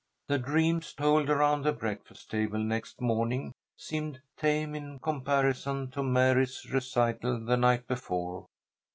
The dreams told around the breakfast table next morning seemed tame in comparison to Mary's recital the night before.